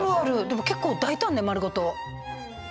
でも結構大胆ね丸ごと。